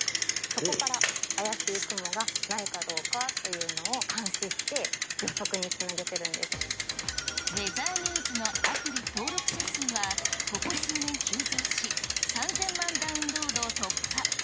そこから怪しい雲がないかどうかというのを監視して予測につなげウェザーニューズのアプリ登録者数は、ここ数年急増し、３０００万ダウンロードを突破。